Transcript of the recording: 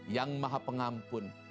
yang maha pengampun